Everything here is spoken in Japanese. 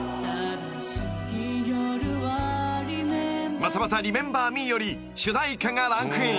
［またまた『リメンバー・ミー』より主題歌がランクイン］